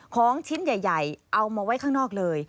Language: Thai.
ของชิ้นใหญ่เอามาไว้ข้างนอกเลย